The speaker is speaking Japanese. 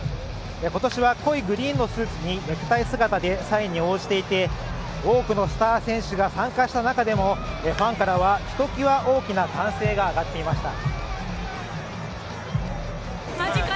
今年は濃いグリーンのスーツに黒いネクタイ姿で応じていて多くのスター選手が参加した中でも、ファンからはひときわ大きな歓声が上がっていました。